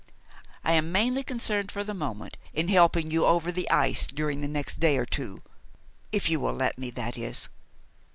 I am mainly concerned, for the moment, in helping you over the ice during the next day or two if you will let me, that is.